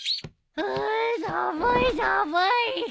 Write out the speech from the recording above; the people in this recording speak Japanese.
うー寒い寒い。